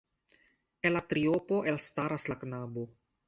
El la triopo elstaras la knabo.